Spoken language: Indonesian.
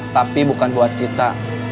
tapi bukan buat kita